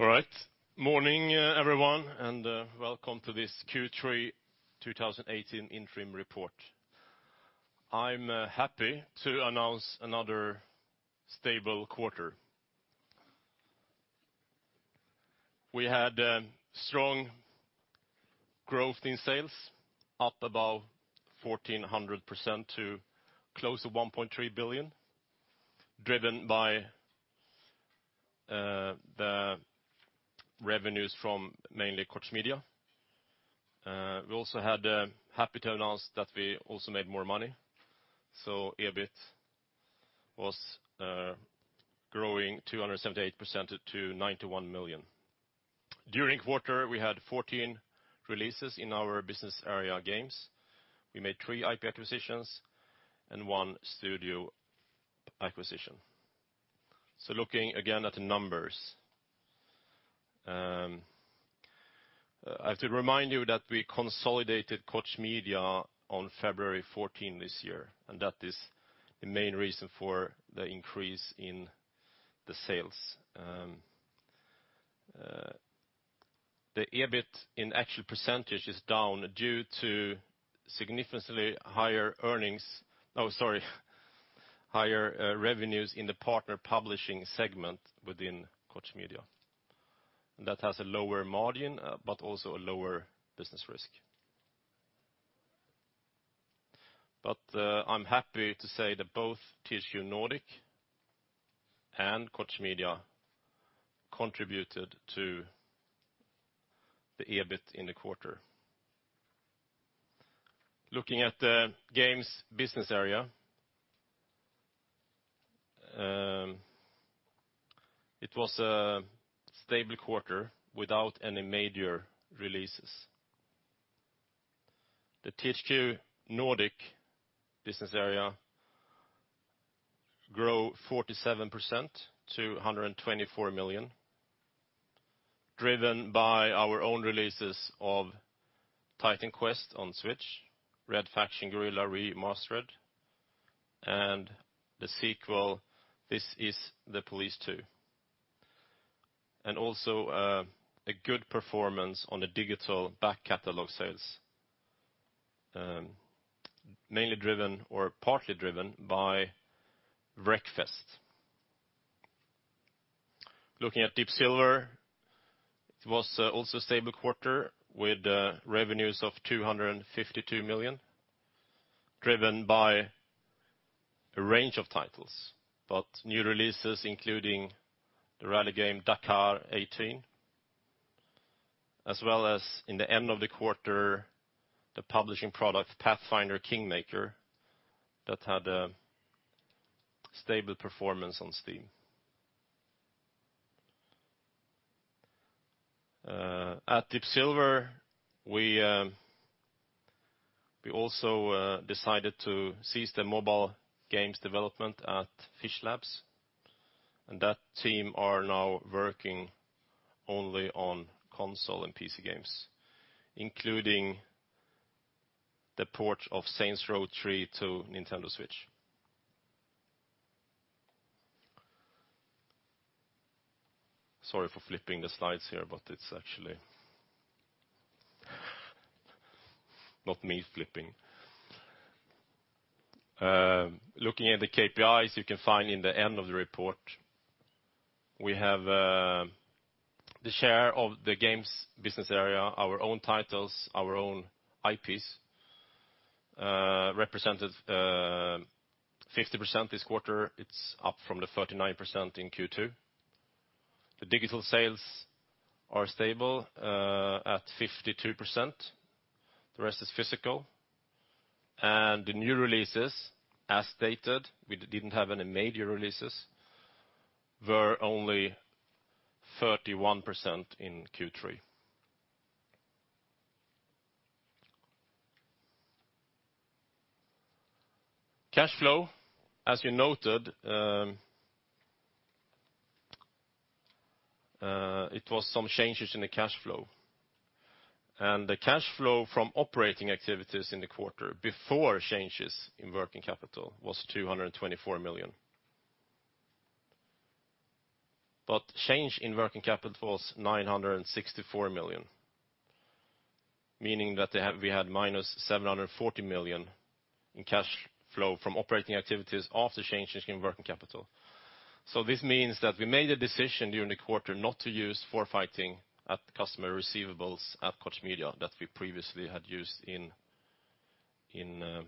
All right. Morning, everyone, and welcome to this Q3 2018 interim report. I'm happy to announce another stable quarter. We had strong growth in sales, up about 1,400% to close to 1.3 billion, driven by the revenues from mainly Koch Media. Happy to announce that we also made more money. EBIT was growing 278% to 91 million. During the quarter, we had 14 releases in our business area games. We made three IP acquisitions and one studio acquisition. Looking again at the numbers. I have to remind you that we consolidated Koch Media on February 14 this year, and that is the main reason for the increase in the sales. The EBIT in actual percentage is down due to significantly higher revenues in the partner publishing segment within Koch Media. That has a lower margin, but also a lower business risk. I'm happy to say that both THQ Nordic and Koch Media contributed to the EBIT in the quarter. Looking at the games business area, it was a stable quarter without any major releases. The THQ Nordic business area grow 47% to 124 million, driven by our own releases of "Titan Quest" on Switch, "Red Faction: Guerrilla Re-Mars-tered", and the sequel "This Is the Police 2." Also a good performance on the digital back catalog sales, mainly driven or partly driven by "Wreckfest." Looking at Deep Silver, it was also a stable quarter with revenues of 252 million, driven by a range of titles, but new releases, including the rally game "Dakar 18," as well as in the end of the quarter, the publishing product "Pathfinder: Kingmaker" that had a stable performance on Steam. At Deep Silver, we also decided to cease the mobile games development at Fishlabs, and that team are now working only on console and PC games, including the port of "Saints Row: The Third" to Nintendo Switch. Sorry for flipping the slides here, but it's actually not me flipping. Looking at the KPIs you can find in the end of the report, we have the share of the games business area, our own titles, our own IPs represented 50% this quarter. It's up from the 39% in Q2. The digital sales are stable at 52%. The rest is physical. The new releases, as stated, we didn't have any major releases, were only 31% in Q3. Cash flow, as you noted, it was some changes in the cash flow, the cash flow from operating activities in the quarter before changes in working capital was 224 million. Change in working capital was 964 million, meaning that we had -740 million in cash flow from operating activities after changes in working capital. This means that we made a decision during the quarter not to use forfaiting at customer receivables at Koch Media that we previously had used in Q1,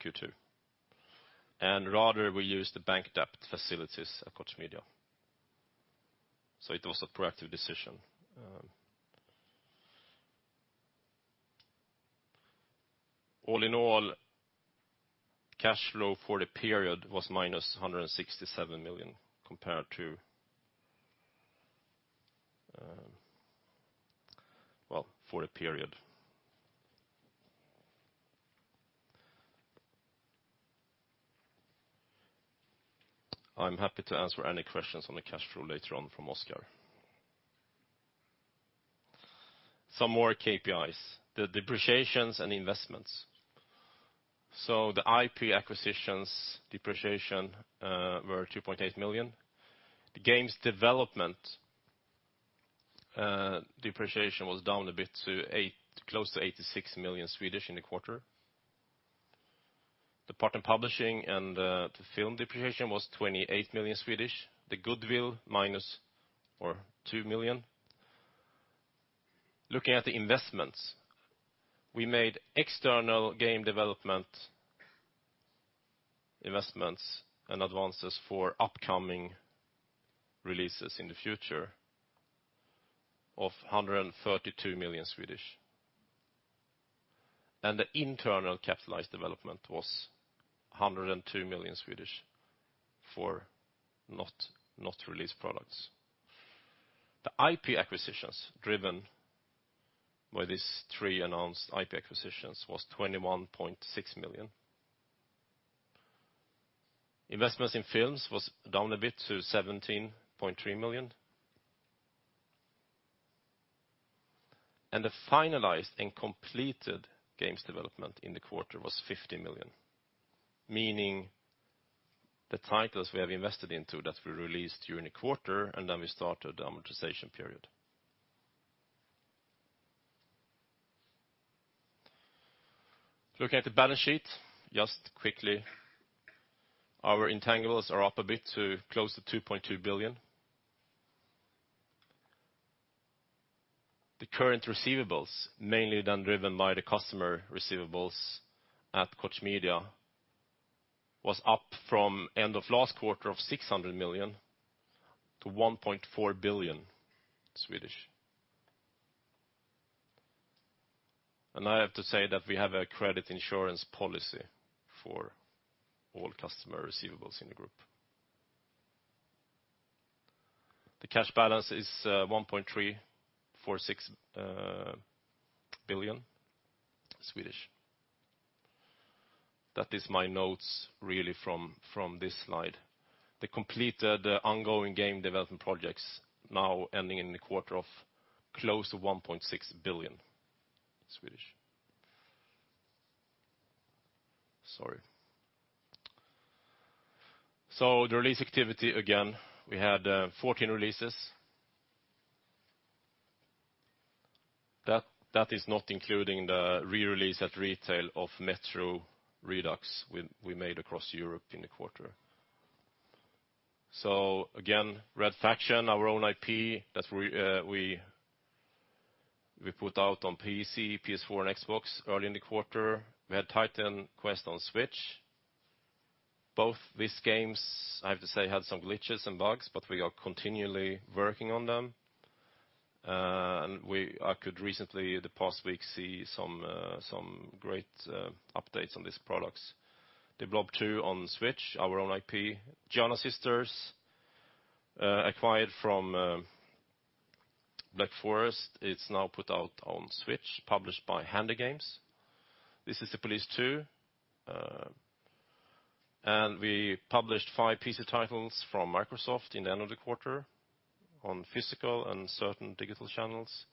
Q2. Rather we used the bank debt facilities at Koch Media. It was a proactive decision. All in all, cash flow for the period was -167 million compared to. Well, for the period. I'm happy to answer any questions on the cash flow later on from Oscar. Some more KPIs, the depreciations and investments. The IP acquisitions depreciation were 2.8 million. The games development depreciation was down a bit to close to 86 million in the quarter. The partner publishing and the film depreciation was 28 million. The goodwill, -2 million. Looking at the investments, we made external game development investments and advances for upcoming releases in the future of SEK 132 million. The internal capitalized development was 102 million for not released products. The IP acquisitions driven by these three announced IP acquisitions was 21.6 million. Investments in films was down a bit to 17.3 million. The finalized and completed games development in the quarter was 50 million, meaning the titles we have invested into that we released during the quarter, then we started the amortization period. Looking at the balance sheet, just quickly. Our intangibles are up a bit to close to 2.2 billion. The current receivables, mainly driven by the customer receivables at Koch Media, was up from end of last quarter of 600 million to 1.4 billion. I have to say that we have a credit insurance policy for all customer receivables in the group. The cash balance is SEK 1.346 billion. That is my notes really from this slide. The completed ongoing game development projects now ending in the quarter of close to 1.6 billion. Sorry. The release activity, again. We had 14 releases. That is not including the re-release at retail of "Metro Redux" we made across Europe in the quarter. Again, "Red Faction," our own IP that we put out on PC, PS4, and Xbox early in the quarter. We had "Titan Quest" on Switch. Both these games, I have to say, had some glitches and bugs, but we are continually working on them. I could recently in the past week see some great updates on these products. "de Blob 2" on Switch, our own IP. Giana Sisters," acquired from Black Forest Games, it's now put out on Switch, published by HandyGames. "This Is the Police 2." We published five PC titles from Microsoft in the end of the quarter on physical and certain digital channels.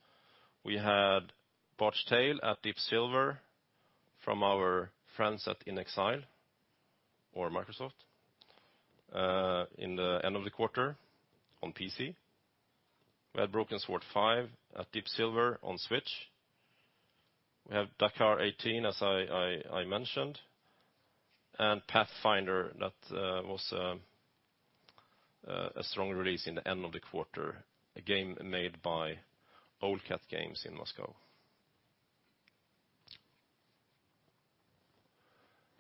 We had "The Bard's Tale" at Deep Silver from our friends at inXile Entertainment or Microsoft in the end of the quarter on PC. We had "Broken Sword 5: The Serpent's Curse" at Deep Silver on Switch. We have "Dakar 18," as I mentioned, "Pathfinder: Kingmaker," that was a strong release in the end of the quarter, a game made by Owlcat Games in Moscow.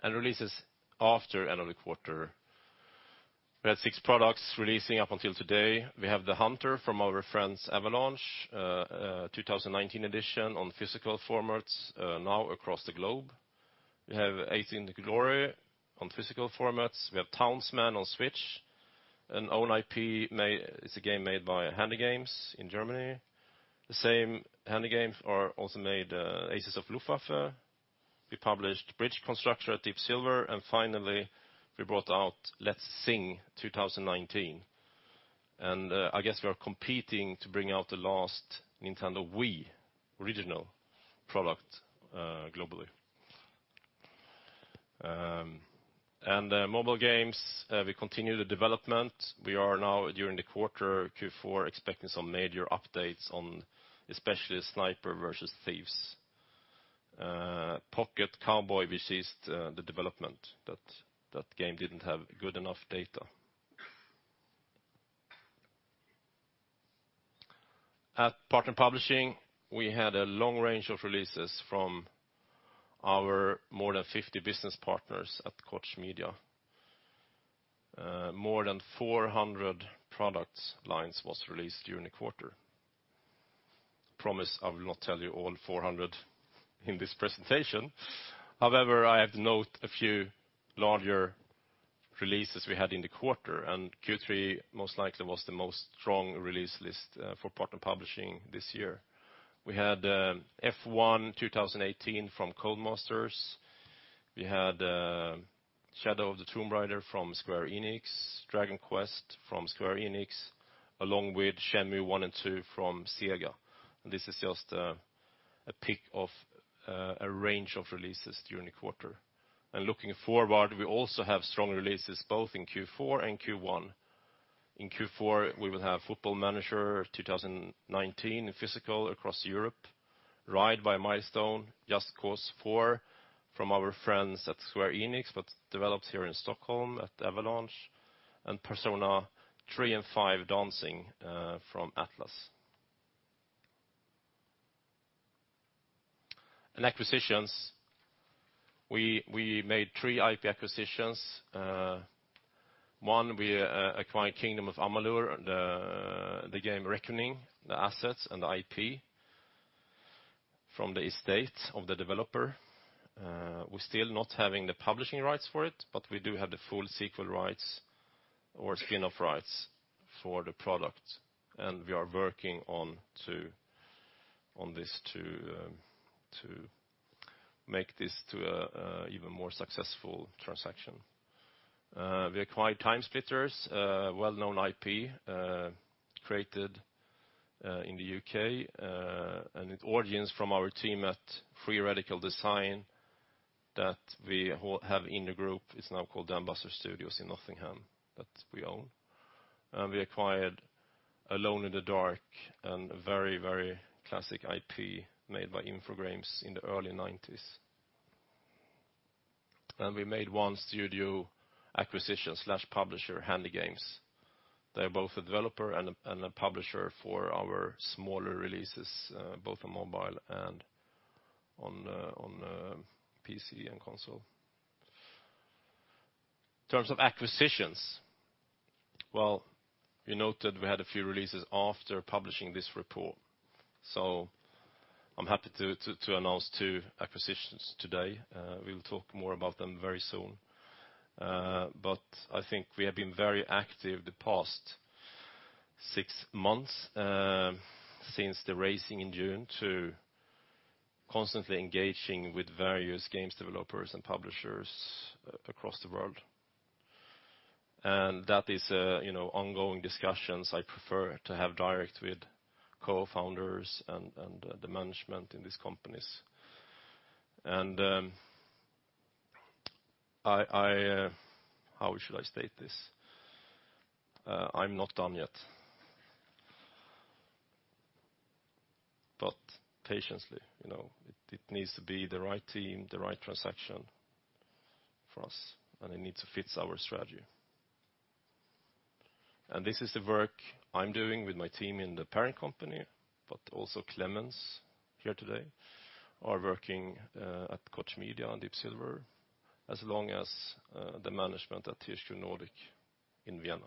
Releases after end of the quarter. We had six products releasing up until today. We have "theHunter" from our friends Avalanche Studios Group, 2019 edition on physical formats now across the globe. We have "Road to Glory" on physical formats. We have "Townsmen" on Switch, an own IP. It's a game made by HandyGames in Germany. The same HandyGames also made "Aces of the Luftwaffe." We published "Bridge Constructor" at Deep Silver, finally we brought out "Let's Sing 2019." I guess we are competing to bring out the last Nintendo Wii original product globally. Mobile games, we continue the development. We are now during the quarter, Q4, expecting some major updates on especially "Snipers vs Thieves." "Pocket Cowboy," we ceased the development. That game didn't have good enough data. At partner publishing, we had a long range of releases from our more than 50 business partners at Koch Media. More than 400 products lines was released during the quarter. Promise I will not tell you all 400 in this presentation. However, I have to note a few larger releases we had in the quarter. Q3 most likely was the most strong release list for partner publishing this year. We had F1 2018 from Codemasters. We had Shadow of the Tomb Raider from Square Enix, Dragon Quest from Square Enix, along with Shenmue I & II from Sega. This is just a pick of a range of releases during the quarter. Looking forward, we also have strong releases both in Q4 and Q1. In Q4, we will have Football Manager 2019 in physical across Europe, Ride by Milestone, Just Cause 4 from our friends at Square Enix, but developed here in Stockholm at Avalanche, and Persona 3 and 5 Dancing from Atlus. In acquisitions, we made three IP acquisitions. One, we acquired Kingdoms of Amalur, the game Reckoning, the assets, and the IP from the estate of the developer. We are still not having the publishing rights for it, but we do have the full sequel rights or spin-off rights for the product. We are working on this to make this to an even more successful transaction. We acquired TimeSplitters, a well-known IP created in the U.K., and its audience from our team at Free Radical Design that we have in the group. It is now called Ambassador Studios in Nottingham, that we own. We acquired Alone in the Dark, a very classic IP made by Infogrames in the early '90s. We made one studio acquisition/publisher, HandyGames. They are both a developer and a publisher for our smaller releases, both on mobile and on PC and console. In terms of acquisitions, we noted we had a few releases after publishing this report. I'm happy to announce two acquisitions today. We will talk more about them very soon. I think we have been very active the past six months, since the raising in June, to constantly engaging with various games developers and publishers across the world. That is ongoing discussions I prefer to have direct with co-founders and the management in these companies. How should I state this? I'm not done yet. Patiently. It needs to be the right team, the right transaction for us, and it needs to fit our strategy. This is the work I'm doing with my team in the parent company, but also Klemens, here today, are working at Koch Media and Deep Silver as long as the management at THQ Nordic in Vienna.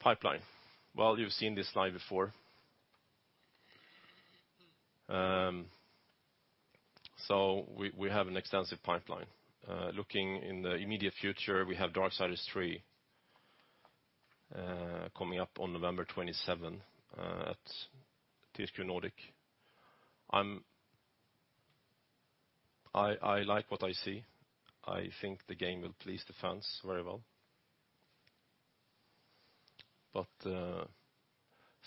Pipeline. You've seen this slide before. We have an extensive pipeline. Looking in the immediate future, we have Darksiders III coming up on November 27 at THQ Nordic. I like what I see. I think the game will please the fans very well.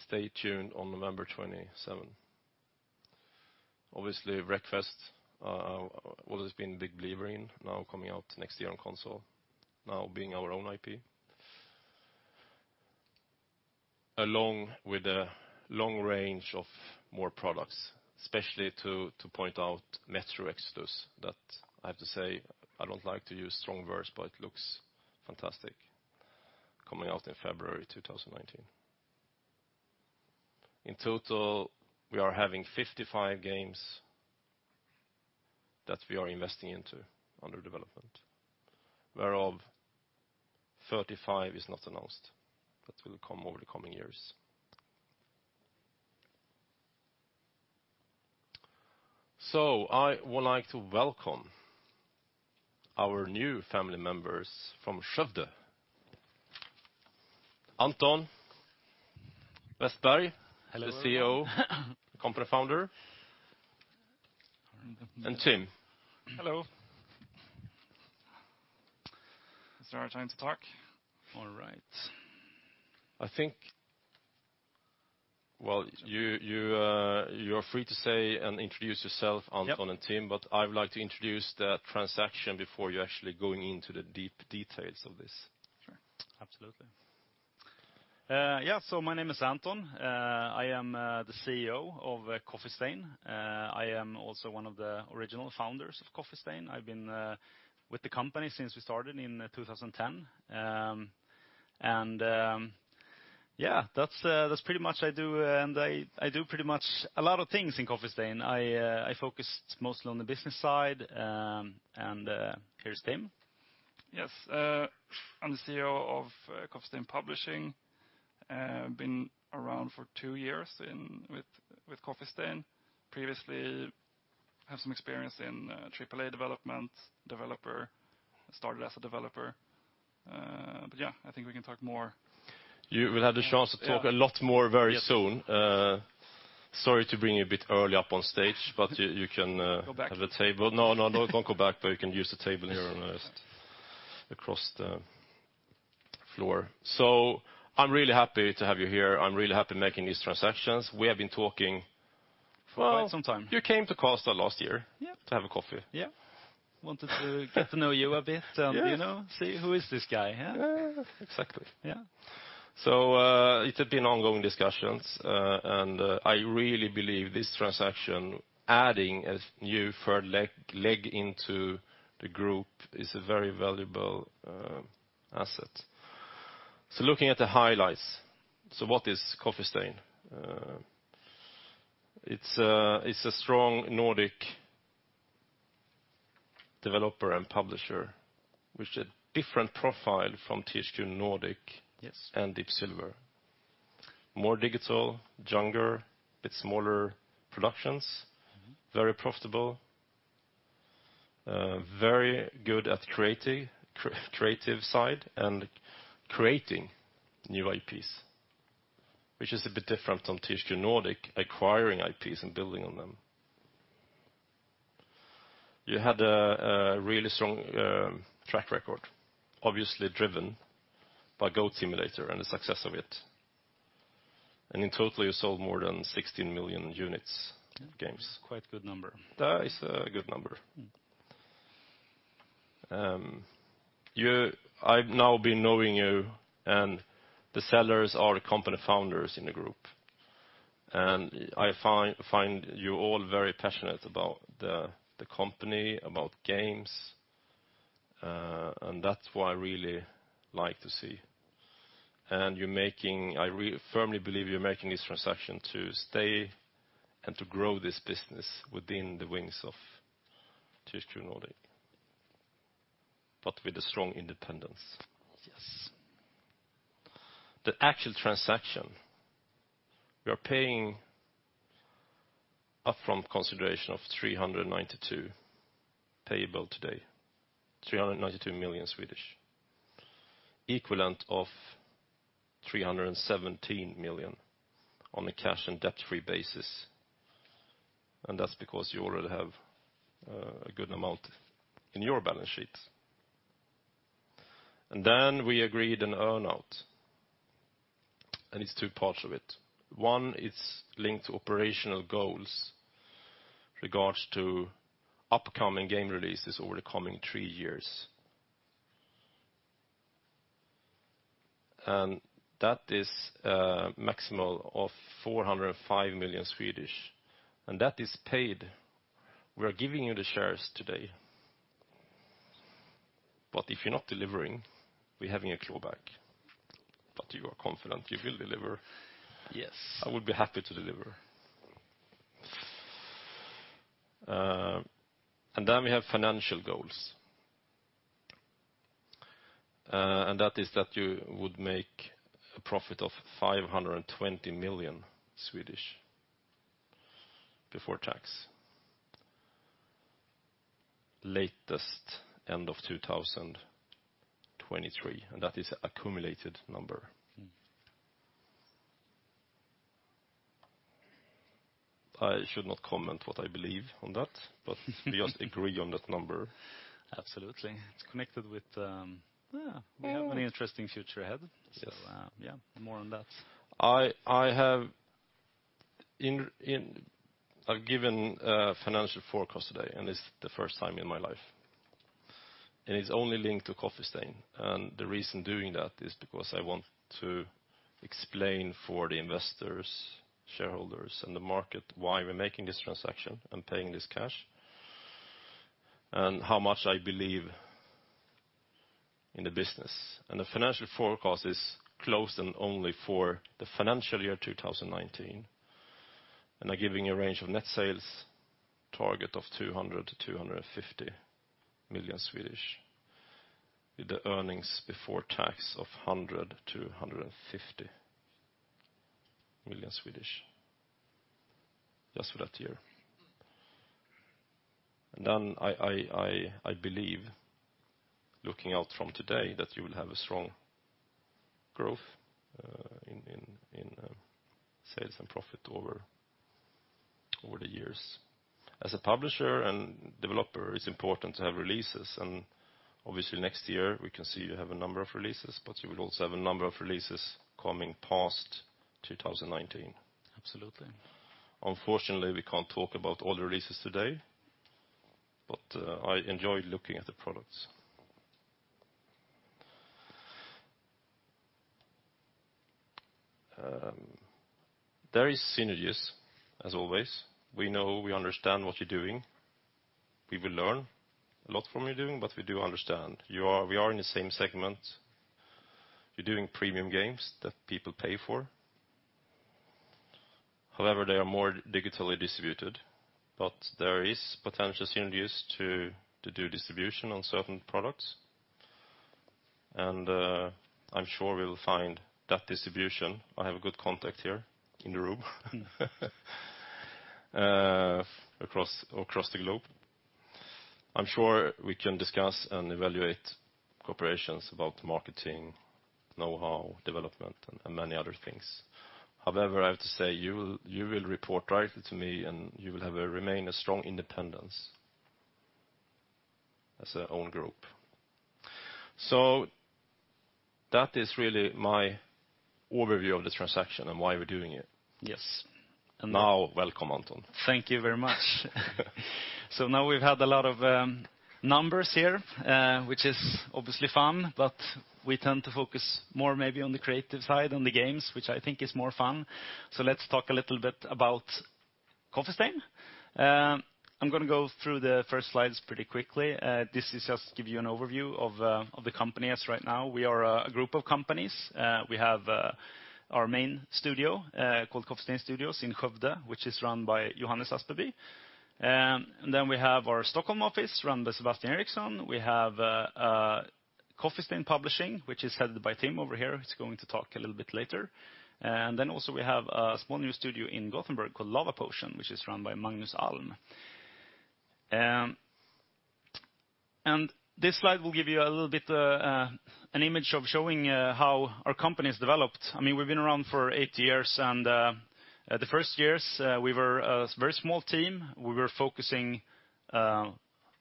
Stay tuned on November 27. Obviously, Wreckfest, what has been a big believer in, now coming out next year on console, now being our own IP. Along with a long range of more products, especially to point out Metro Exodus, that I have to say, I don't like to use strong words, but it looks fantastic, coming out in February 2019. In total, we are having 55 games that we are investing into under development, whereof 35 is not announced. That will come over the coming years. I would like to welcome our new family members from Skövde. Anton Westbergh- Hello The CEO, company founder. Tim. Hello. Is there a time to talk? All right. Well, you are free to say and introduce yourself, Anton and Tim. Yep I would like to introduce the transaction before you actually going into the deep details of this. Sure. Absolutely. My name is Anton. I am the CEO of Coffee Stain. I am also one of the original founders of Coffee Stain. I've been with the company since we started in 2010. That's pretty much I do, and I do pretty much a lot of things in Coffee Stain. I focus mostly on the business side. Here's Tim. Yes. I'm the CEO of Coffee Stain Publishing. Been around for two years with Coffee Stain. Previously have some experience in AAA development, started as a developer. I think we can talk more. You will have the chance to talk a lot more very soon. Sorry to bring you a bit early up on stage, but you can- Go back have a table. No, don't go back, but you can use the table here across the floor. I'm really happy to have you here. I'm really happy making these transactions. We have been talking for- Quite some time you came to Karlstad last year- Yep to have a coffee. Yep. I wanted to get to know you a bit. Yes See who is this guy? Yeah, exactly. Yeah. It had been ongoing discussions. I really believe this transaction, adding a new third leg into the group, is a very valuable asset. Looking at the highlights, what is Coffee Stain? It's a strong Nordic developer and publisher with a different profile from THQ Nordic. Yes Deep Silver. More digital, younger, bit smaller productions. Very profitable. Very good at creative side and creating new IPs, which is a bit different from THQ Nordic acquiring IPs and building on them. You had a really strong track record, obviously driven by "Goat Simulator" and the success of it. In total, you sold more than 16 million units, games. Quite a good number. That is a good number. I've now been knowing you, the sellers are the company founders in the group. I find you all very passionate about the company, about games, and that's what I really like to see. I firmly believe you're making this transaction to stay and to grow this business within the wings of THQ Nordic, but with a strong independence. Yes. The actual transaction, we are paying upfront consideration of 392 million payable today, 392 million, equivalent of 317 million on a cash and debt-free basis. That's because you already have a good amount in your balance sheet. We agreed an earn-out. It's two parts of it. One is linked to operational goals regarding upcoming game releases over the coming three years. That is a maximum of 405 million. That is paid. We are giving you the shares today. If you're not delivering, we're having a clawback. You are confident you will deliver. Yes. I would be happy to deliver. We have financial goals, that is that you would make a profit of 520 million before tax, latest end of 2023. That is accumulated number. I should not comment what I believe on that. We just agree on that number. Absolutely. It's connected with, we have an interesting future ahead. Yes. More on that. I've given a financial forecast today, it's the first time in my life, it's only linked to Coffee Stain. The reason doing that is because I want to explain for the investors, shareholders, and the market why we're making this transaction and paying this cash and how much I believe in the business. The financial forecast is closed and only for the financial year 2019, I'm giving a range of net sales target of 200 million-250 million, with the earnings before tax of 100 million-150 million just for that year. I believe, looking out from today, that you will have a strong growth in sales and profit over the years. As a publisher and developer, it's important to have releases, obviously next year we can see you have a number of releases, you will also have a number of releases coming past 2019. Absolutely. Unfortunately, we can't talk about all the releases today, but I enjoyed looking at the products. There is synergies as always. We know, we understand what you're doing. We will learn a lot from what you're doing, but we do understand. We are in the same segment. You're doing premium games that people pay for. However, they are more digitally distributed, but there is potential synergies to do distribution on certain products. I'm sure we'll find that distribution. I have a good contact here in the room. Across the globe. I'm sure we can discuss and evaluate corporations about marketing, know-how, development, and many other things. However, I have to say, you will report directly to me, and you will have to remain a strong independence as our own group. That is really my overview of this transaction and why we're doing it. Yes. Now, welcome, Anton. Thank you very much. Now we've had a lot of numbers here, which is obviously fun, but we tend to focus more maybe on the creative side, on the games, which I think is more fun. Let's talk a little bit about Coffee Stain. I'm going to go through the first slides pretty quickly. This is just to give you an overview of the company as right now. We are a group of companies. We have our main studio, called Coffee Stain Studios in Skövde, which is run by Johannes Aspeby. We have our Stockholm office run by Sebastian Eriksson. We have Coffee Stain Publishing, which is headed by Tim over here, who's going to talk a little bit later. Also we have a small new studio in Gothenburg called Lavapotion, which is run by Magnus Holm. This slide will give you a little bit of an image of showing how our company has developed. We've been around for eight years, and the first years, we were a very small team. We were focusing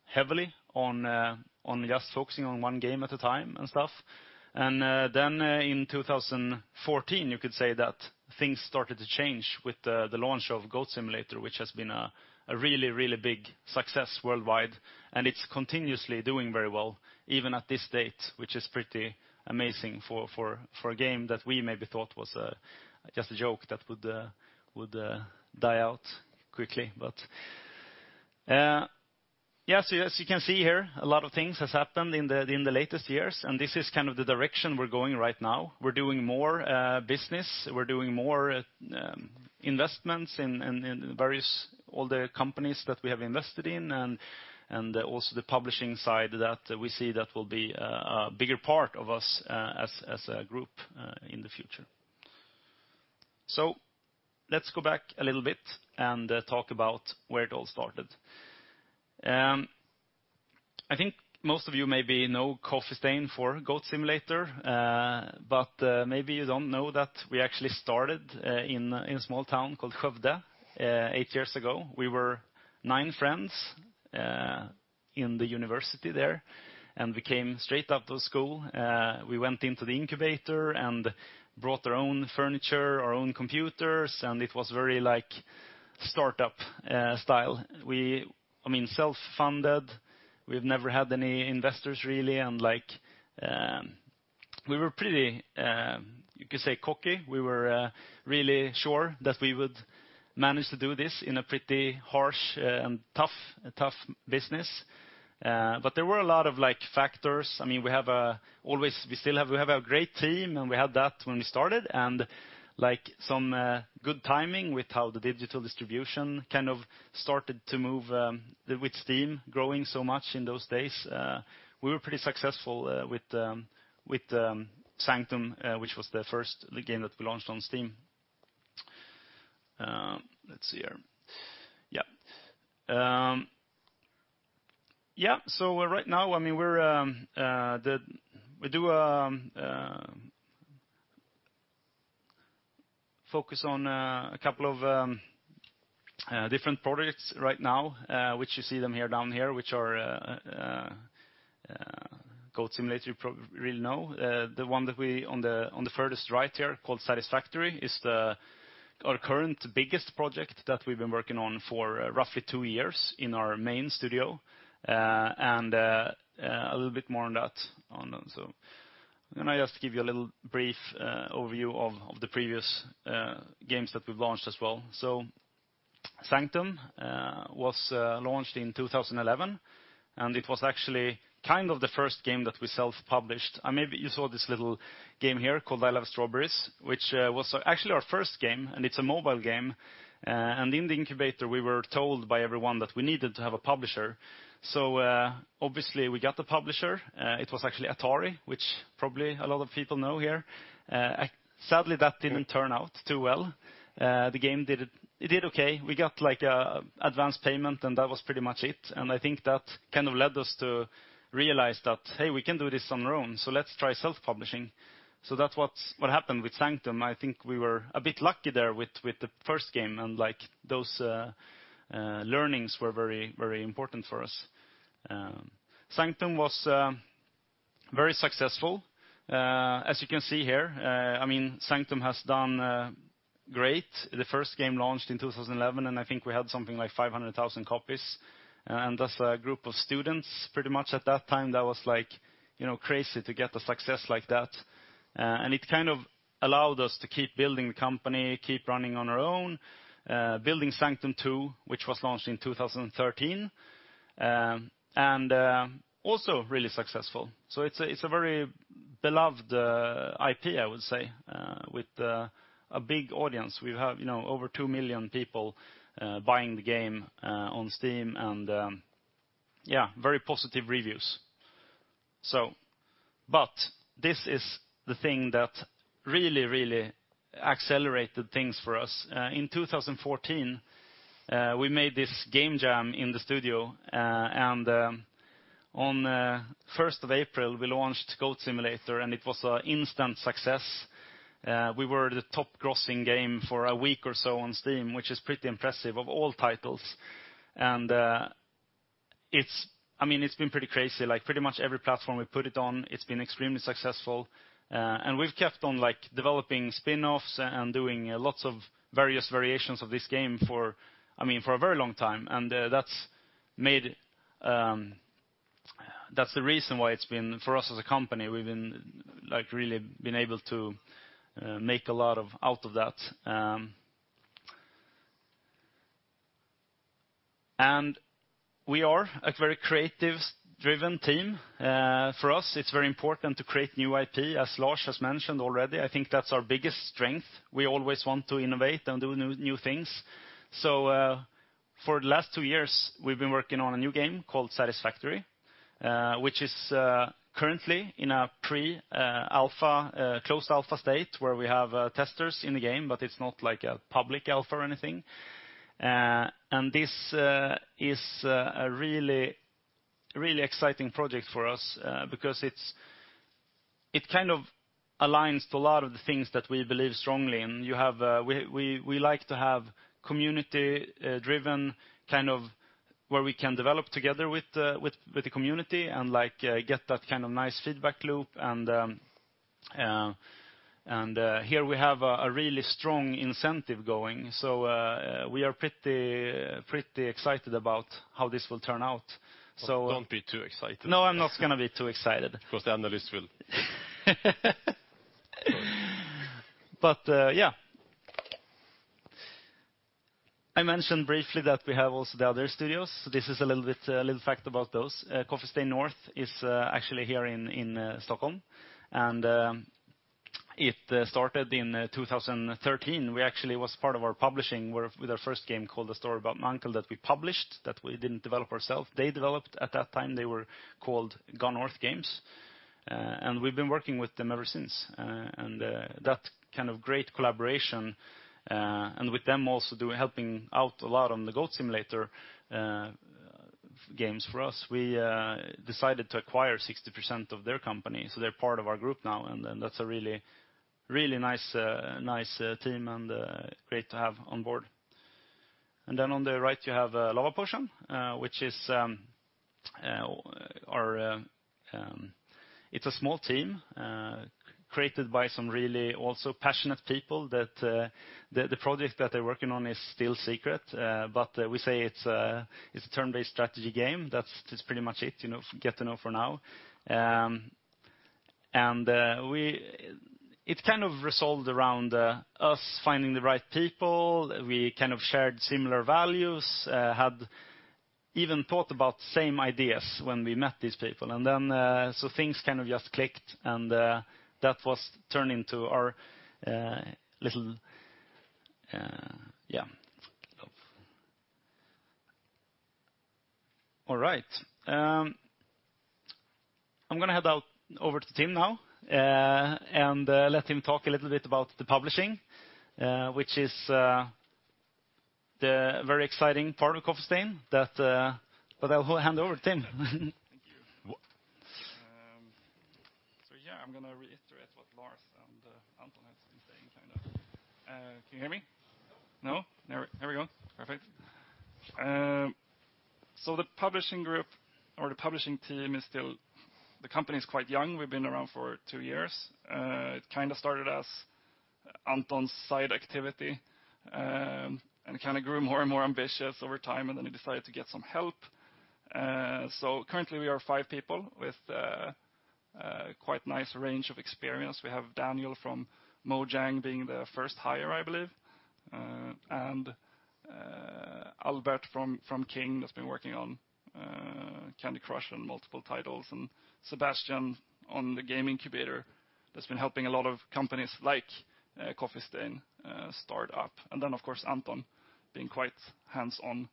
heavily on just focusing on one game at a time and stuff. In 2014, you could say that things started to change with the launch of Goat Simulator, which has been a really big success worldwide, and it's continuously doing very well, even at this date, which is pretty amazing for a game that we maybe thought was just a joke that would die out quickly. As you can see here, a lot of things have happened in the latest years, and this is kind of the direction we're going right now. We're doing more business, we're doing more investments in various other companies that we have invested in, and also the publishing side that we see that will be a bigger part of us as a group in the future. Let's go back a little bit and talk about where it all started. I think most of you maybe know Coffee Stain for Goat Simulator, but maybe you don't know that we actually started in a small town called Skövde eight years ago. We were nine friends in the university there, and we came straight out of school. We went into the incubator and brought our own furniture, our own computers, and it was very startup style. Self-funded. We've never had any investors, really, and we were pretty, you could say cocky. We were really sure that we would manage to do this in a pretty harsh and tough business. There were a lot of factors. We have a great team, and we had that when we started, and some good timing with how the digital distribution kind of started to move with Steam growing so much in those days. We were pretty successful with Sanctum, which was the first game that we launched on Steam. Let's see here. Yeah. Right now, we do focus on a couple of different projects right now, which you see them here down here, which are Goat Simulator you probably already know. The one on the furthest right here called Satisfactory is our current biggest project that we've been working on for roughly two years in our main studio, and a little bit more on that. I'm going to just give you a little brief overview of the previous games that we've launched as well. Sanctum was launched in 2011, and it was actually kind of the first game that we self-published. Maybe you saw this little game here called I Love Strawberries, which was actually our first game, and it's a mobile game. In the incubator, we were told by everyone that we needed to have a publisher. Obviously we got the publisher. It was actually Atari, which probably a lot of people know here. Sadly, that didn't turn out too well. The game did okay. We got an advance payment and that was pretty much it. I think that kind of led us to realize that, hey, we can do this on our own, let's try self-publishing. That's what happened with Sanctum. I think we were a bit lucky there with the first game, and those learnings were very important for us. Sanctum was very successful. As you can see here, Sanctum has done great. The first game launched in 2011, and I think we had something like 500,000 copies, and as a group of students pretty much at that time, that was crazy to get a success like that. It kind of allowed us to keep building the company, keep running on our own, building Sanctum 2, which was launched in 2013, also really successful. It's a very beloved IP, I would say, with a big audience. We have over 2 million people buying the game on Steam and very positive reviews. This is the thing that really accelerated things for us. In 2014, we made this game jam in the studio, and on the 1st of April, we launched Goat Simulator, and it was an instant success. We were the top grossing game for a week or so on Steam, which is pretty impressive of all titles. It's been pretty crazy. Pretty much every platform we put it on, it's been extremely successful, and we've kept on developing spinoffs and doing lots of various variations of this game for a very long time. That's the reason why it's been, for us as a company, we've really been able to make a lot out of that. We are a very creative-driven team. For us, it's very important to create new IP, as Lars has mentioned already. I think that's our biggest strength. We always want to innovate and do new things. For the last two years, we've been working on a new game called "Satisfactory," which is currently in a pre-closed alpha state, where we have testers in the game, but it's not a public alpha or anything. This is a really exciting project for us because it aligns to a lot of the things that we believe strongly in. We like to have community-driven where we can develop together with the community and get that nice feedback loop and here we have a really strong incentive going. We are pretty excited about how this will turn out. Don't be too excited. No, I'm not going to be too excited. The analysts will. Yeah. I mentioned briefly that we have also the other studios. This is a little fact about those. Coffee Stain North is actually here in Stockholm, and it started in 2013, where actually it was part of our publishing with our first game called "A Story About My Uncle" that we published, that we didn't develop ourself. They developed at that time. They were called Gone North Games, and we've been working with them ever since. That great collaboration, and with them also helping out a lot on the Goat Simulator games for us, we decided to acquire 60% of their company, so they're part of our group now, and that's a really nice team, and great to have on board. Then on the right, you have Lavapotion, it's a small team, created by some really also passionate people. The project that they're working on is still secret, but we say it's a turn-based strategy game. That's pretty much it, get to know for now. It resolved around us finding the right people. We shared similar values, had even thought about same ideas when we met these people. Things just clicked and that was turned into our little Yeah. All right. I'm going to hand over to Tim now, and let him talk a little bit about the publishing, which is the very exciting part of Coffee Stain. I'll hand over. Tim. Thank you. Yeah, I'm going to reiterate what Lars and Anton have been saying. Can you hear me? No? There we go. Perfect. The publishing group or the publishing team, the company's quite young. We've been around for two years. It started as Anton's side activity, and it grew more and more ambitious over time, and then he decided to get some help. Currently we are five people with a quite nice range of experience. We have Daniel from Mojang being the first hire, I believe. Albert from King that's been working on Candy Crush and multiple titles. Sebastian on the Game Incubator that's been helping a lot of companies like Coffee Stain start up. Then, of course, Anton being quite hands-on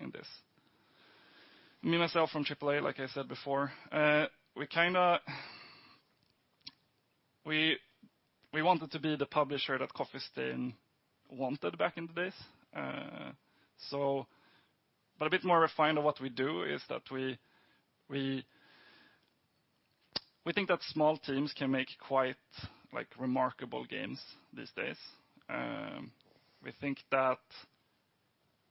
in this. Me, myself from Triple A, like I said before. We wanted to be the publisher that Coffee Stain wanted back in the days. A bit more refined of what we do is that we think that small teams can make quite remarkable games these days. We think that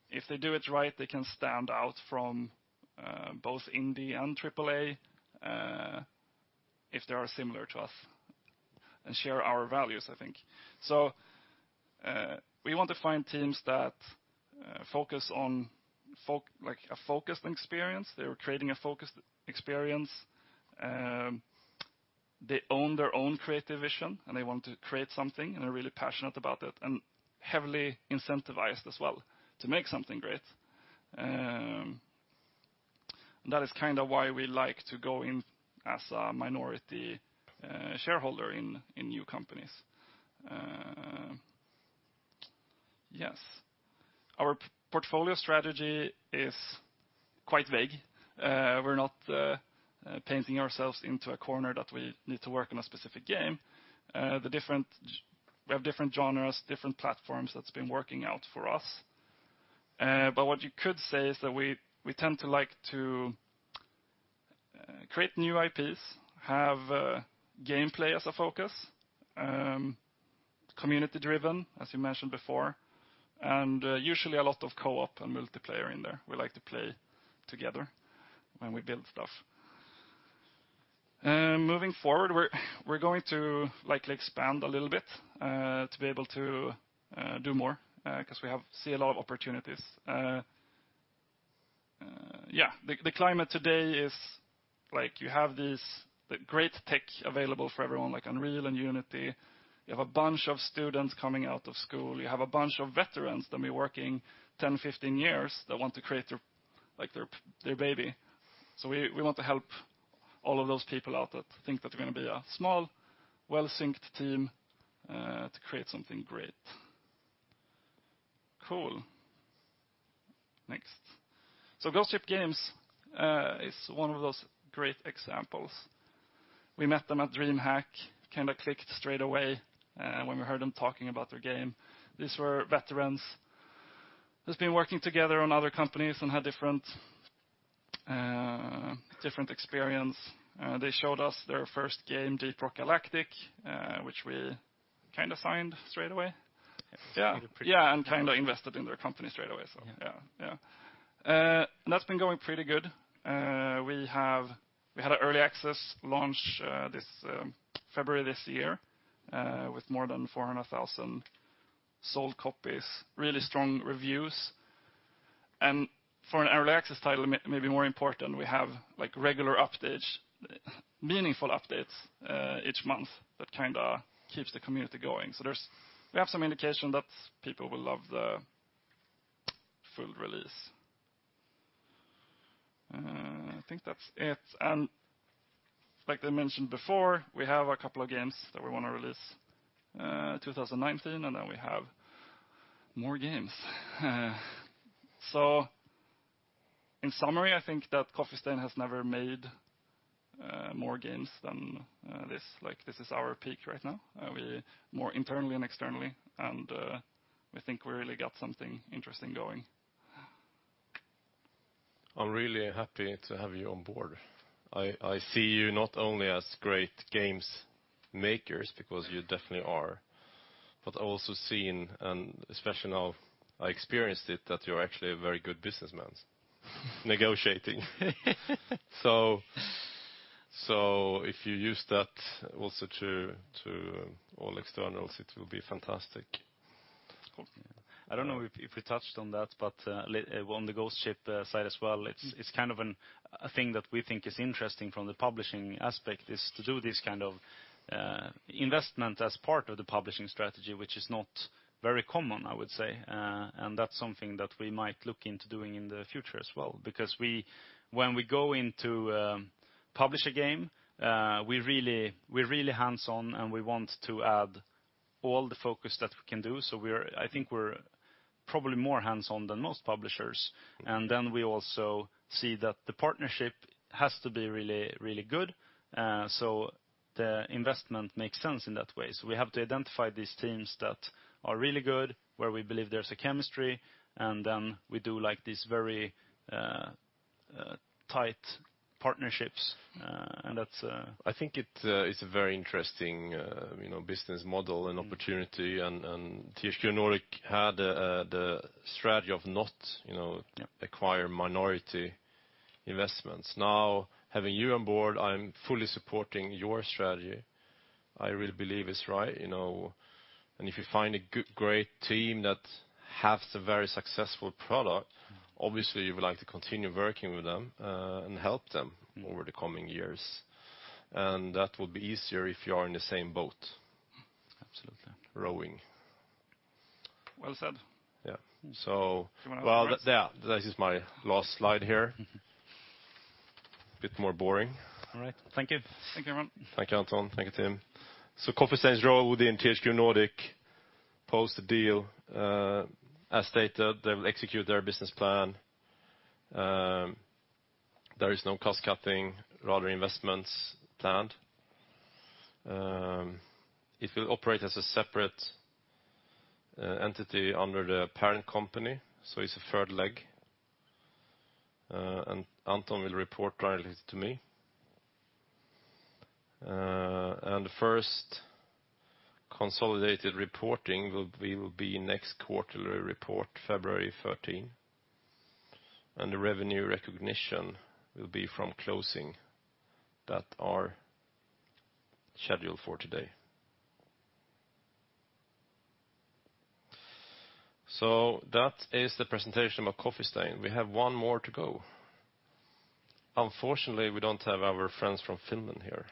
if they do it right, they can stand out from both indie and AAA, if they are similar to us and share our values, I think. We want to find teams that focus on a focused experience. They're creating a focused experience. They own their own creative vision, and they want to create something, and they're really passionate about it, and heavily incentivized as well to make something great. That is why we like to go in as a minority shareholder in new companies. Yes. Our portfolio strategy is quite vague. We're not painting ourselves into a corner that we need to work on a specific game. We have different genres, different platforms that's been working out for us. What you could say is that we tend to like to create new IPs, have gameplay as a focus, community-driven, as you mentioned before, and usually a lot of co-op and multiplayer in there. We like to play together when we build stuff. Moving forward, we're going to likely expand a little bit, to be able to do more, because we see a lot of opportunities. The climate today is, you have this great tech available for everyone, like Unreal and Unity. You have a bunch of students coming out of school. You have a bunch of veterans that have been working 10, 15 years that want to create their baby. We want to help all of those people out that think that they're going to be a small, well-synced team, to create something great. Cool. Next. Ghost Ship Games is one of those great examples. We met them at DreamHack, kind of clicked straight away, when we heard them talking about their game. These were veterans who's been working together on other companies and had different experience. They showed us their first game, "Deep Rock Galactic," which we signed straight away. Yeah. Invested in their company straight away. Yeah. Yeah. That's been going pretty good. We had an early access launch February this year, with more than 400,000 sold copies, really strong reviews. For an early access title, maybe more important, we have regular updates, meaningful updates, each month that keeps the community going. We have some indication that people will love the full release. I think that's it. Like I mentioned before, we have a couple of games that we want to release 2019, then we have more games. In summary, I think that Coffee Stain has never made more games than this. This is our peak right now. More internally than externally, we think we really got something interesting going. I'm really happy to have you on board. I see you not only as great games makers, because you definitely are, but also seen, and especially now I experienced it, that you're actually a very good businessman. Negotiating. If you use that also to all externals, it will be fantastic. Of course. I don't know if we touched on that, on the Ghost Ship side as well, it's a thing that we think is interesting from the publishing aspect, is to do this kind of investment as part of the publishing strategy, which is not very common, I would say. That's something that we might look into doing in the future as well. When we go in to publish a game, we're really hands-on, we want to add all the focus that we can do. I think we're probably more hands-on than most publishers. We also see that the partnership has to be really, really good. The investment makes sense in that way. We have to identify these teams that are really good, where we believe there's a chemistry, then we do these very tight partnerships. I think it's a very interesting business model and opportunity. THQ Nordic had the strategy of not acquire minority investments. Now, having you on board, I'm fully supporting your strategy. I really believe it's right. If you find a great team that has a very successful product, obviously you would like to continue working with them, and help them over the coming years. That will be easier if you are in the same boat. Absolutely. Rowing. Well said. Yeah. Do you want to go to the next? Yeah. This is my last slide here. Bit more boring. All right. Thank you. Thank you, everyone. Thank you, Anton. Thank you, Tim. Coffee Stain's role within THQ Nordic post the deal, as stated, they will execute their business plan. There is no cost-cutting, rather investments planned. It will operate as a separate entity under the parent company, so it's a third leg. Anton will report directly to me. First consolidated reporting will be next quarterly report, February 13. The revenue recognition will be from closing that are scheduled for today. That is the presentation about Coffee Stain. We have one more to go. Unfortunately, we don't have our friends from Finland here.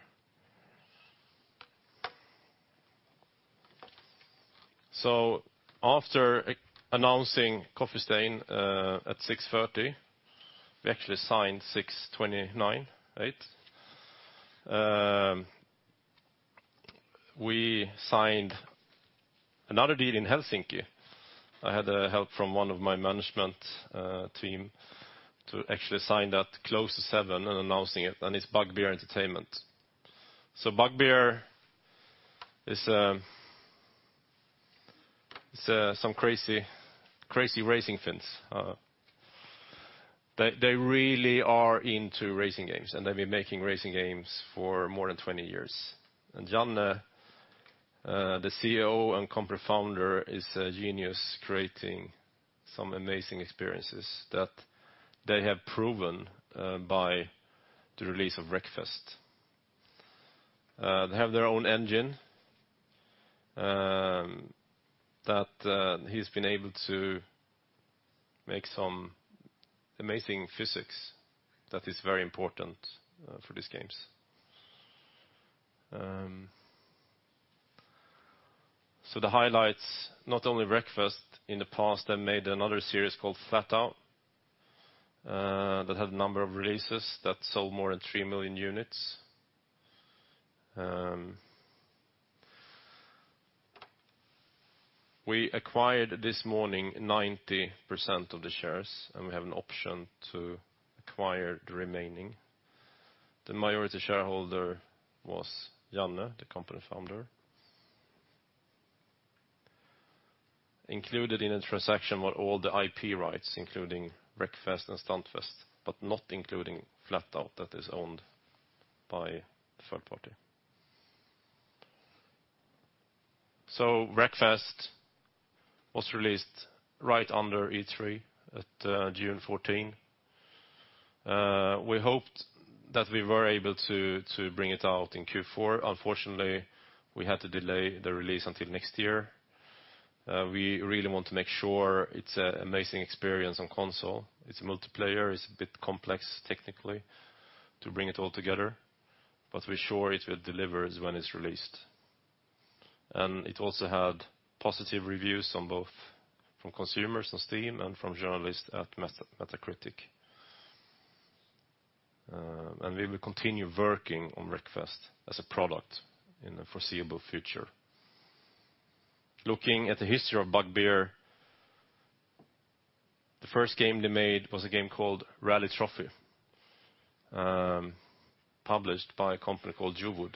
After announcing Coffee Stain at 6:30, we actually signed 6:29. We signed another deal in Helsinki. I had help from one of my management team to actually sign that close to seven and announcing it, and it's Bugbear Entertainment. Bugbear is some crazy racing Finns. They really are into racing games, and they've been making racing games for more than 20 years. Janne, the CEO and company founder, is a genius, creating some amazing experiences that they have proven by the release of Wreckfest. They have their own engine that he's been able to make some amazing physics that is very important for these games. The highlights, not only Wreckfest. In the past, they made another series called FlatOut, that had a number of releases that sold more than three million units. We acquired this morning 90% of the shares, and we have an option to acquire the remaining. The majority shareholder was Janne, the company founder. Included in the transaction were all the IP rights, including Wreckfest and Stuntfest, but not including FlatOut, that is owned by a third party. Wreckfest was released right under E3 at June 14. We hoped that we were able to bring it out in Q4. Unfortunately, we had to delay the release until next year. We really want to make sure it's an amazing experience on console. It's a multiplayer. It's a bit complex, technically, to bring it all together, but we're sure it will deliver is when it's released. It also had positive reviews from consumers on Steam and from journalists at Metacritic. We will continue working on Wreckfest as a product in the foreseeable future. Looking at the history of Bugbear, the first game they made was a game called Rally Trophy, published by a company called JoWooD.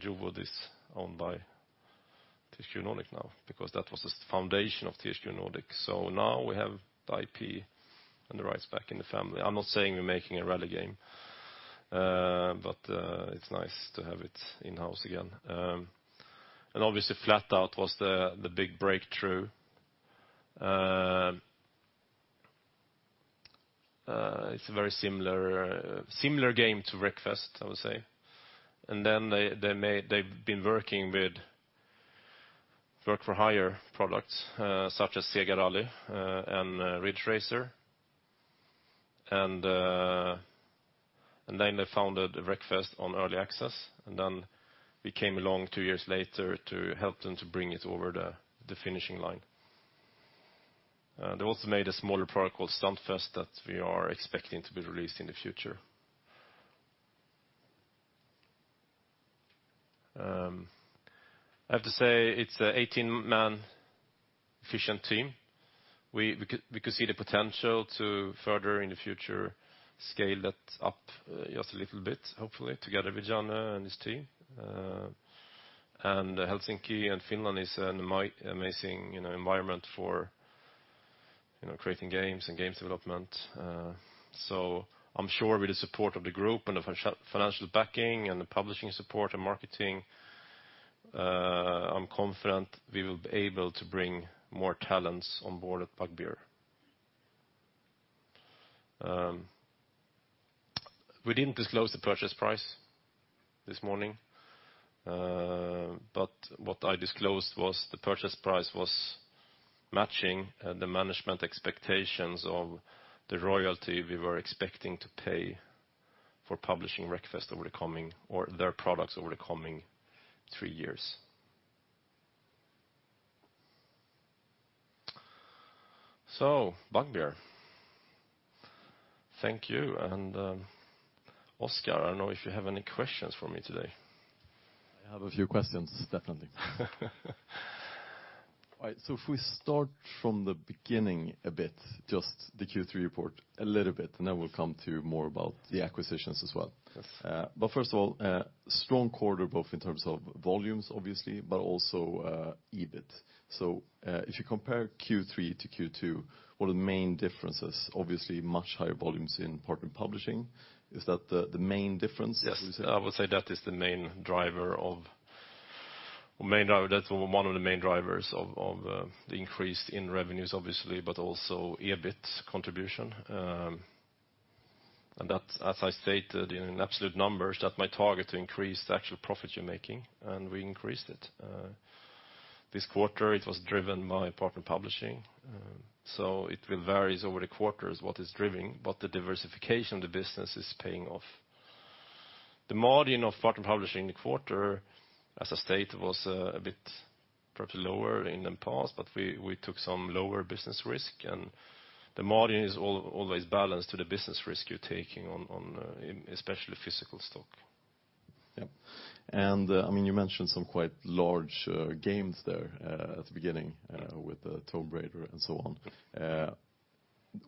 JoWooD is owned by THQ Nordic now, because that was the foundation of THQ Nordic. Now we have the IP and the rights back in the family. I'm not saying we're making a Rally game, it's nice to have it in-house again. Obviously FlatOut was the big breakthrough. It's a very similar game to Wreckfest, I would say. They've been working with work-for-hire products such as Sega Rally and Ridge Racer. They founded Wreckfest on early access, then we came along two years later to help them to bring it over the finishing line. They also made a smaller product called Stuntfest that we are expecting to be released in the future. I have to say, it's an 18-man efficient team. We could see the potential to further in the future scale that up just a little bit, hopefully together with Janne and his team. Helsinki and Finland is an amazing environment for creating games and games development. I'm sure with the support of the group and the financial backing and the publishing support and marketing, I'm confident we will be able to bring more talents on board at Bugbear. We didn't disclose the purchase price this morning. What I disclosed was the purchase price was matching the management expectations of the royalty we were expecting to pay for publishing Wreckfest or their products over the coming three years. Bugbear. Thank you. Oscar, I don't know if you have any questions for me today. I have a few questions, definitely. If we start from the beginning a bit, just the Q3 report a little bit, then we'll come to more about the acquisitions as well. Yes. First of all, strong quarter, both in terms of volumes obviously, also EBIT. If you compare Q3 to Q2, what are the main differences? Obviously, much higher volumes in partner publishing. Is that the main difference? Yes. I would say that's one of the main drivers of the increase in revenues, obviously, but also EBIT contribution. That, as I stated in absolute numbers, that my target to increase the actual profit you're making, and we increased it. This quarter it was driven by partner publishing. It will vary over the quarters, what is driven. The diversification of the business is paying off. The margin of partner publishing in the quarter was a bit perhaps lower in the past, but we took some lower business risk, and the margin is always balanced to the business risk you're taking on especially physical stock. Yep. You mentioned some quite large games there at the beginning with Tomb Raider and so on.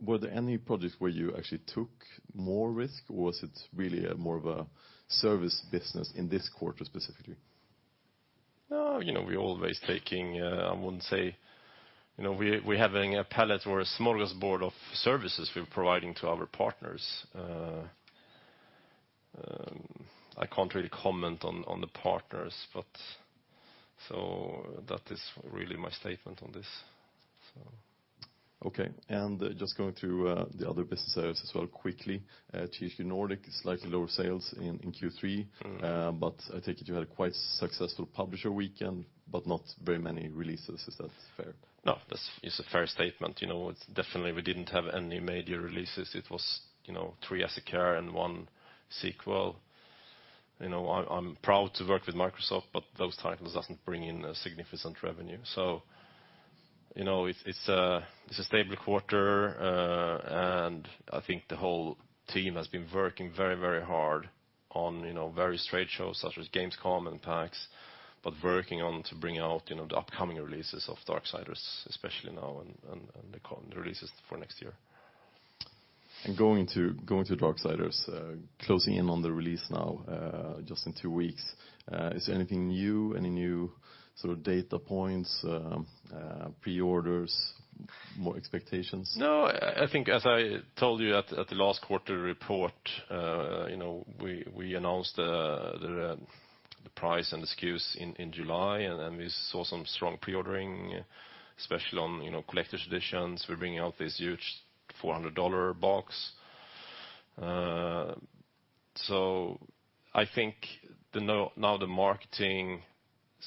Were there any projects where you actually took more risk, or was it really more of a service business in this quarter, specifically? No, we're always taking, I wouldn't say we're having a palette or a smorgasbord of services we're providing to our partners. I can't really comment on the partners, that is really my statement on this. Okay, just going through the other business areas as well quickly. THQ Nordic, slightly lower sales in Q3. I take it you had a quite successful publisher weekend, but not very many releases. Is that fair? No, it's a fair statement. Definitely, we didn't have any major releases. It was three SKUs and one sequel. I'm proud to work with Microsoft, but those titles doesn't bring in a significant revenue. It's a stable quarter, and I think the whole team has been working very hard on various trade shows such as Gamescom and PAX, but working on to bring out the upcoming releases of Darksiders, especially now and the releases for next year. Going to Darksiders, closing in on the release now just in two weeks. Is there anything new? Any new sort of data points, pre-orders, more expectations? No, I think as I told you at the last quarter report, we announced the price and the SKUs in July, and we saw some strong pre-ordering, especially on collector's editions. We're bringing out this huge $400 box. I think now the marketing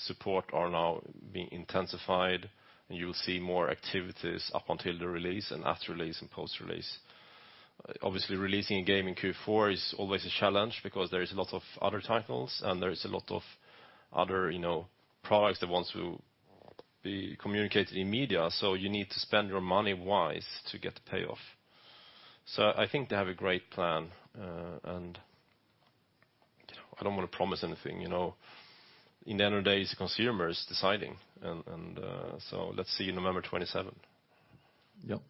support are now being intensified, and you will see more activities up until the release and after release and post-release. Obviously, releasing a game in Q4 is always a challenge because there is a lot of other titles and there is a lot of other products that want to be communicated in media. You need to spend your money wise to get the payoff. I think they have a great plan. I don't want to promise anything. In the end of the day, it's the consumers deciding, and so let's see November 27. Yep.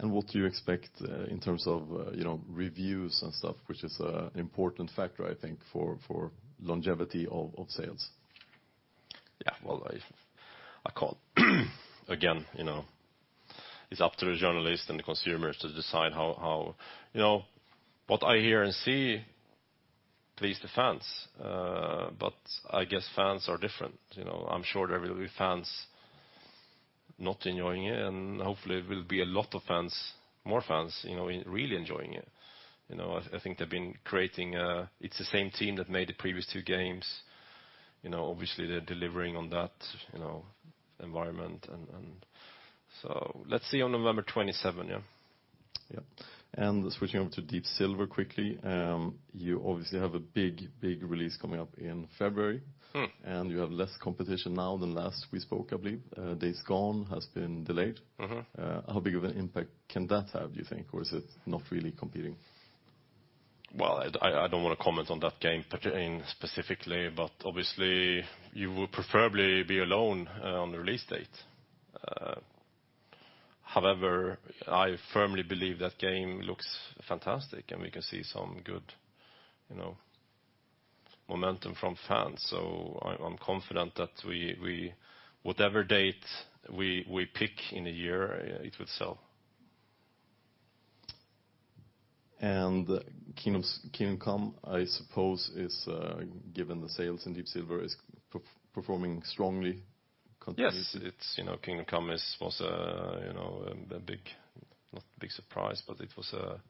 What do you expect in terms of reviews and stuff, which is an important factor, I think, for longevity of sales? Yeah. Well, I can't again, it's up to the journalist and the consumers to decide. What I hear and see please the fans, but I guess fans are different. I'm sure there will be fans not enjoying it, and hopefully there will be a lot of fans, more fans, really enjoying it. I think they've been creating. It's the same team that made the previous two games. Obviously, they're delivering on that environment, let's see on November 27, yeah. Yep. Switching over to Deep Silver quickly. You obviously have a big release coming up in February. You have less competition now than last we spoke, I believe. Days Gone has been delayed. How big of an impact can that have, do you think? Or is it not really competing? Well, I don't want to comment on that game specifically, but obviously you would preferably be alone on the release date. However, I firmly believe that game looks fantastic, and we can see some good momentum from fans. I'm confident that whatever date we pick in a year, it would sell. Kingdom Come," I suppose is, given the sales in Deep Silver, is performing strongly continuously. Yes. "Kingdom Come" was a big, not big surprise, but it was a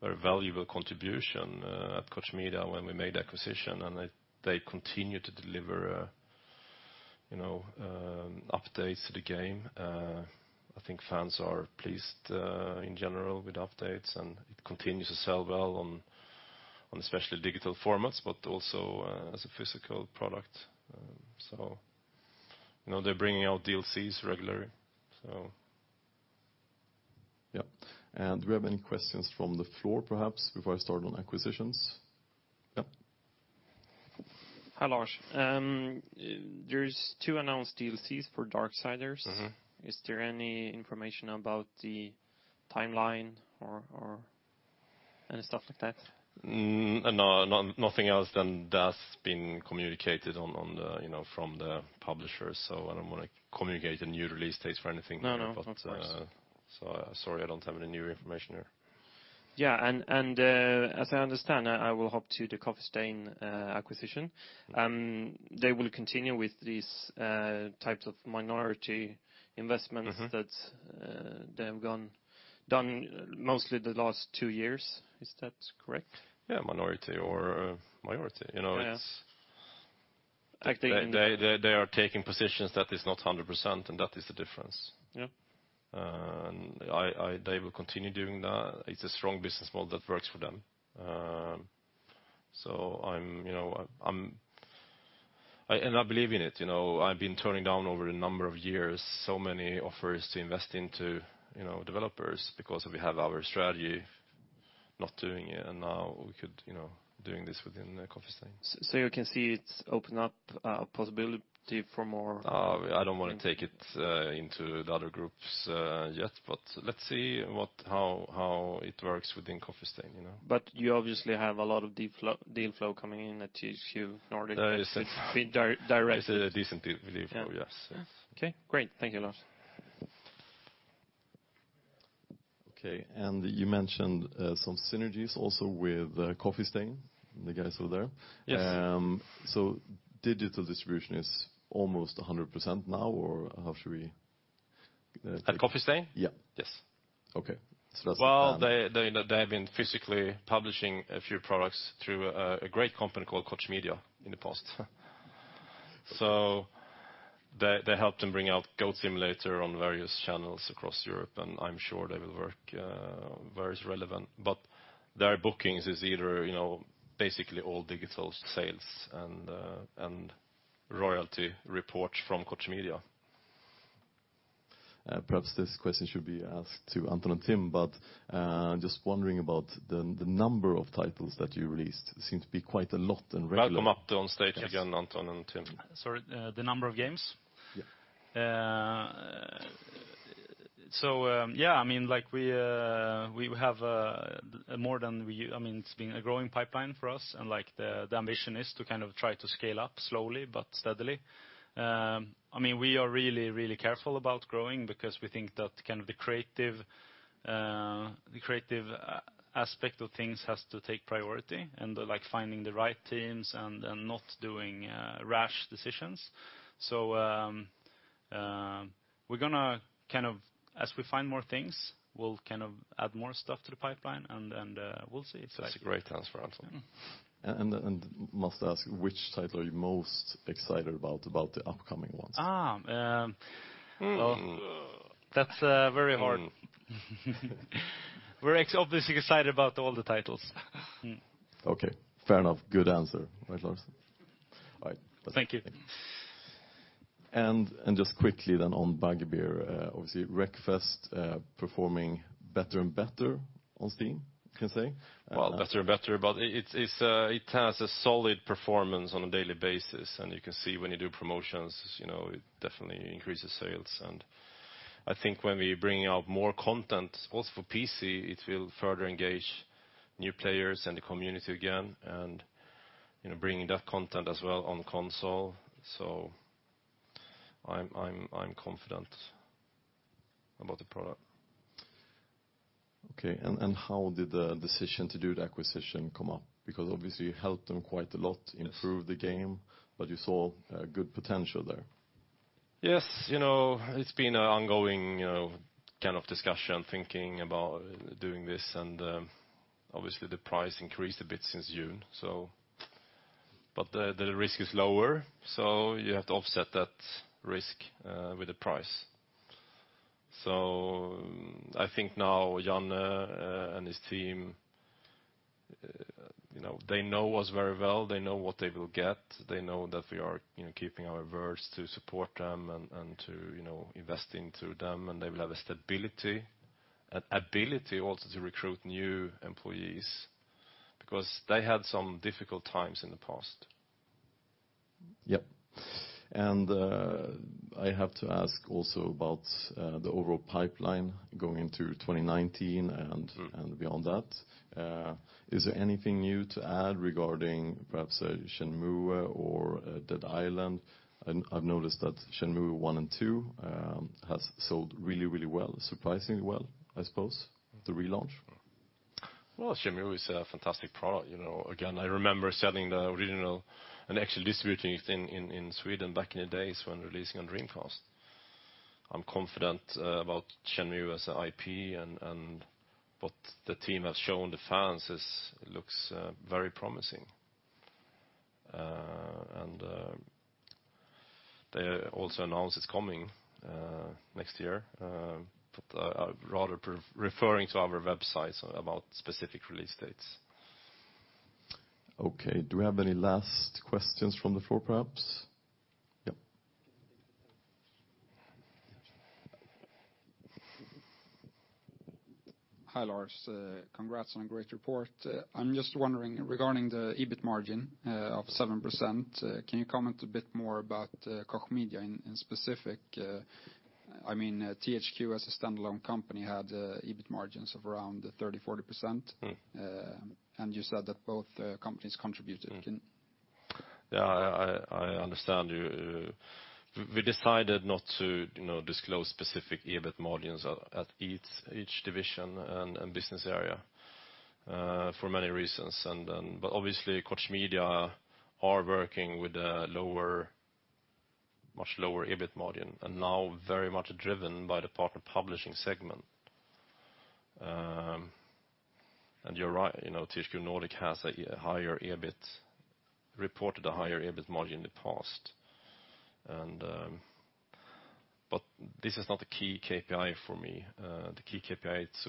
very valuable contribution at Koch Media when we made acquisition, and they continue to deliver updates to the game. I think fans are pleased in general with updates, and it continues to sell well on especially digital formats, but also as a physical product. They're bringing out DLCs regularly. Yep. Do we have any questions from the floor, perhaps, before I start on acquisitions? Yep. Hi, Lars. There's two announced DLCs for Darksiders. Is there any information about the timeline or any stuff like that? No, nothing else than that's been communicated from the publisher. I don't want to communicate a new release date for anything. No, of course Sorry, I don't have any new information there. Yeah. As I understand, I will hop to the Coffee Stain acquisition. They will continue with these types of minority investments. That they have done mostly the last two years. Is that correct? Yeah, minority or majority. Yeah. They are taking positions that is not 100%, that is the difference. Yep. They will continue doing that. It's a strong business model that works for them. I believe in it. I've been turning down over a number of years, so many offers to invest into developers because we have our strategy not doing it, now we could, doing this within Coffee Stain. You can see it's opened up a possibility. I don't want to take it into the other groups yet, let's see how it works within Coffee Stain. You obviously have a lot of deal flow coming in at THQ Nordic. There is. been directed. There's a decent deal flow. Yes. Okay, great. Thank you, Lars. Okay, you mentioned some synergies also with Coffee Stain, the guys over there. Yes. Digital distribution is almost 100% now, or how should we? At Coffee Stain? Yeah. Yes. Okay. Well, they have been physically publishing a few products through a great company called Koch Media in the past. They helped them bring out "Goat Simulator" on various channels across Europe, and I'm sure they will work various relevant. Their bookings is either basically all digital sales and royalty reports from Koch Media. Perhaps this question should be asked to Anton and Tim, but just wondering about the number of titles that you released seem to be quite a lot and regular. Welcome up to on stage again, Anton and Tim. Sorry, the number of games? Yeah. Yeah, it's been a growing pipeline for us and the ambition is to kind of try to scale up slowly but steadily. We are really careful about growing because we think that the creative aspect of things has to take priority, and finding the right teams and not doing rash decisions. We're going to, as we find more things, we'll add more stuff to the pipeline and we'll see. That's a great answer, Anton. Must ask, which title are you most excited about the upcoming ones? That's very hard. We're obviously excited about all the titles. Okay. Fair enough. Good answer. Right, Lars. All right. Thank you. Just quickly then on Bugbear, obviously Wreckfest performing better and better on Steam, you can say? Well, better and better, but it has a solid performance on a daily basis, and you can see when you do promotions, it definitely increases sales and I think when we bring out more content also for PC, it will further engage new players in the community again, and bringing that content as well on console. I'm confident about the product. Okay, how did the decision to do the acquisition come up? Because obviously it helped them quite a lot. Yes improve the game. You saw a good potential there. Yes. It's been an ongoing kind of discussion, thinking about doing this, obviously the price increased a bit since June. The risk is lower, you have to offset that risk with the price. I think now Jan and his team, they know us very well, they know what they will get. They know that we are keeping our words to support them and to invest into them, and they will have a stability, an ability also to recruit new employees because they had some difficult times in the past. Yep. I have to ask also about the overall pipeline going into 2019. Beyond that. Is there anything new to add regarding perhaps Shenmue or Dead Island? I've noticed that Shenmue I & II has sold really well, surprisingly well, I suppose, the relaunch. Well, Shenmue is a fantastic product. Again, I remember selling the original and actually distributing it in Sweden back in the days when releasing on Dreamcast. I'm confident about Shenmue as an IP and what the team has shown the fans looks very promising. They also announced it's coming next year. I'd rather referring to our websites about specific release dates. Okay. Do we have any last questions from the floor, perhaps? Yep. Hi, Lars. Congrats on a great report. I'm just wondering, regarding the EBIT margin of 7%, can you comment a bit more about Koch Media in specific? THQ as a standalone company had EBIT margins of around 30%, 40%. You said that both companies contributed. I understand you. We decided not to disclose specific EBIT margins at each division and business area, for many reasons. Obviously, Koch Media are working with a much lower EBIT margin, and now very much driven by the partner publishing segment. You're right, THQ Nordic has reported a higher EBIT margin in the past. This is not the key KPI for me. The key KPI, it's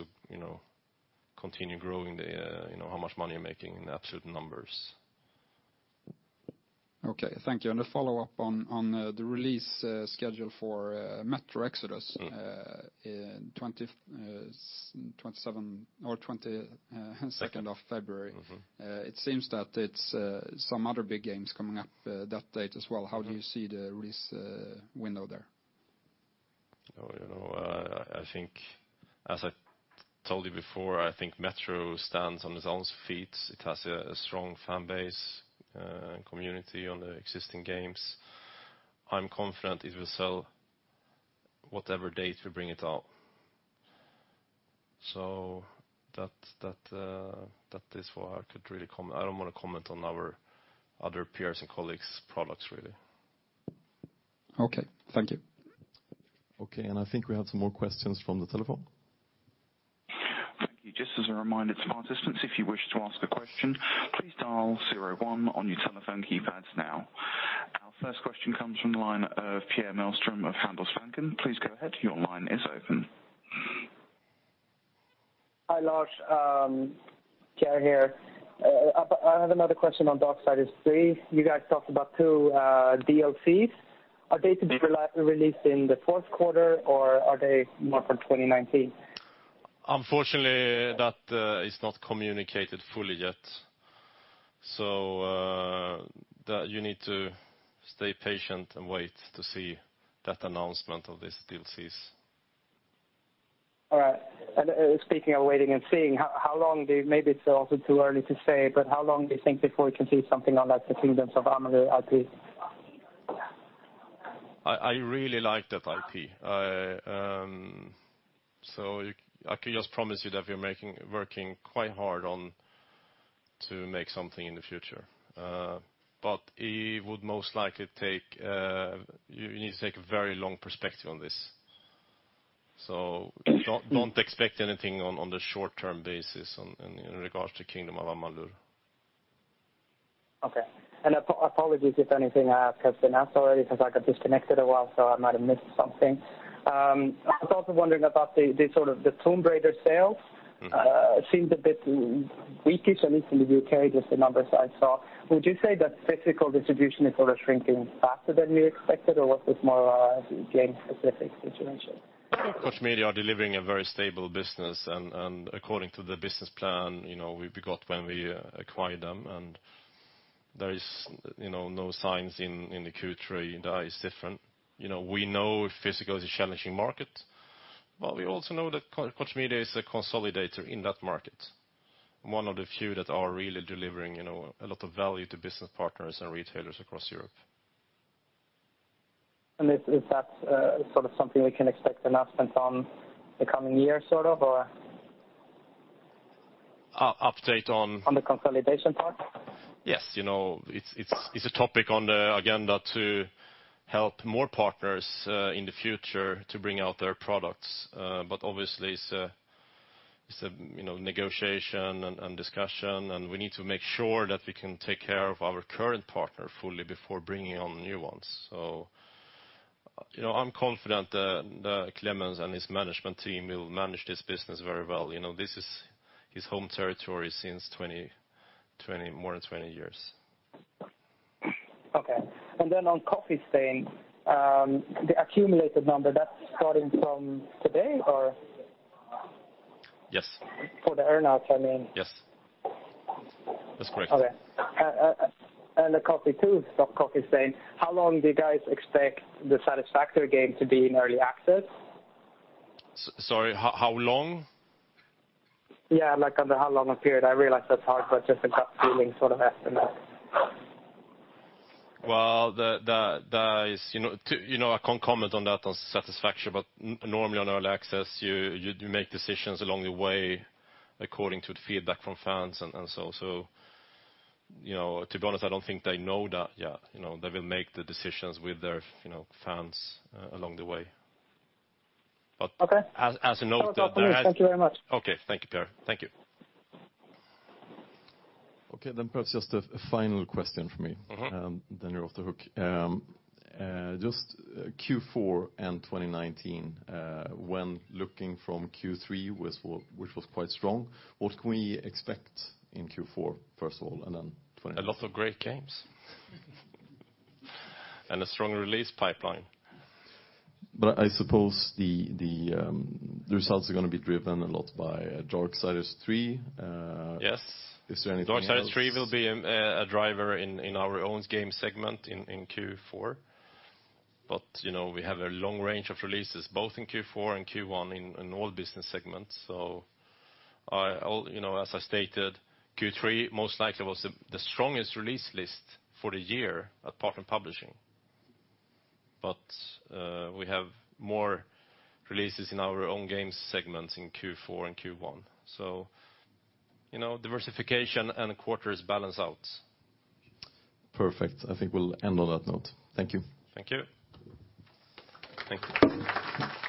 continue growing how much money you're making in absolute numbers. Okay, thank you. A follow-up on the release schedule for "Metro Exodus" in 22nd of February. It seems that it's some other big games coming up that date as well. How do you see the release window there? As I told you before, I think "Metro" stands on its own feet. It has a strong fan base, community on the existing games. I'm confident it will sell whatever date we bring it out. That is what I could really comment. I don't want to comment on our other peers' and colleagues' products, really. Okay. Thank you. Okay, I think we have some more questions from the telephone. Thank you. Just as a reminder to participants, if you wish to ask a question, please dial 01 on your telephone keypads now. Our first question comes from the line of Pierre Mellström of Handelsbanken. Please go ahead. Your line is open. Hi, Lars. Pierre here. I have another question on Darksiders III. You guys talked about two DLCs. Are they to be released in the fourth quarter, or are they more for 2019? Unfortunately, that is not communicated fully yet. You need to stay patient and wait to see that announcement of these DLCs. All right. Speaking of waiting and seeing, maybe it's also too early to say, but how long do you think before we can see something on that the Kingdoms of Amalur IP? I really like that IP. I can just promise you that we're working quite hard on to make something in the future. You need to take a very long perspective on this. Don't expect anything on the short-term basis in regards to Kingdoms of Amalur. Okay. Apologies if anything I ask has been asked already, because I got disconnected a while, so I might have missed something. I was also wondering about the Tomb Raider sales. Seemed a bit weakish, at least in the U.K., just the numbers I saw. Would you say that physical distribution is shrinking faster than you expected, or was this more a game-specific situation? I think Koch Media are delivering a very stable business. According to the business plan we got when we acquired them, there is no signs in the Q3 that is different. We know physical is a challenging market. We also know that Koch Media is a consolidator in that market, one of the few that are really delivering a lot of value to business partners and retailers across Europe. Is that something we can expect announcements on in the coming year, sort of? Update on? On the consolidation part. Yes. It is a topic on the agenda to help more partners in the future to bring out their products. Obviously, it is negotiation and discussion, and we need to make sure that we can take care of our current partner fully before bringing on new ones. I am confident that Klemens and his management team will manage this business very well. This is his home territory since more than 20 years. Okay. On Coffee Stain, the accumulated number, that's starting from today, or? Yes. For the earn-out, I mean. Yes. That is correct. Okay. How long do you guys expect the Satisfactory game to be in early access? Sorry, how long? Yeah, like on how long a period. I realize that is hard, but just a gut feeling sort of estimate. I can't comment on that on Satisfactory, but normally on early access, you make decisions along the way according to the feedback from fans and so on. To be honest, I don't think they know that yet. They will make the decisions with their fans along the way. Okay. As a note. That's all from me. Thank you very much. Okay. Thank you, Pierre. Thank you. Okay, perhaps just a final question from me. You're off the hook. Just Q4 and 2019, when looking from Q3, which was quite strong, what can we expect in Q4, first of all, and then 2019? A lot of great games and a strong release pipeline. I suppose the results are going to be driven a lot by Darksiders III. Yes. Is there anything else? Darksiders III" will be a driver in our own game segment in Q4. We have a long range of releases both in Q4 and Q1 in all business segments. As I stated, Q3, most likely, was the strongest release list for the year apart from publishing. We have more releases in our own games segments in Q4 and Q1. Diversification and quarters balance out. Perfect. I think we'll end on that note. Thank you. Thank you. Thank you.